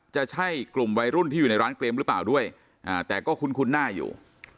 จะใช่กลุ่มวัยรุ่นที่อยู่ในร้านเกมหรือเปล่าด้วยแต่ก็คุ้นหน้าอยู่